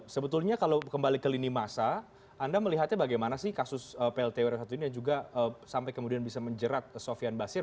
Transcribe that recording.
sebetulnya kalau kembali ke lini masa anda melihatnya bagaimana sih kasus pltw satu ini yang juga sampai kemudian bisa menjerat sofian basir